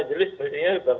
jadi saya nggak tahu apa apa